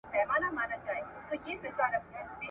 لا یې نه وه وزرونه غوړولي !.